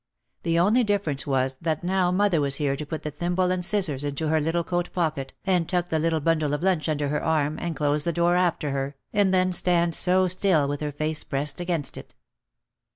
The only difference was that now mother was here to put the thimble and scissors into her little coat pocket, and tuck the little bundle of lunch under her arm, and close the door after her, and then stand so still with her face pressed against it.